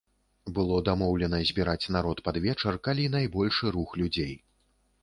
Было дамоўлена збіраць народ пад вечар, калі найбольшы рух людзей.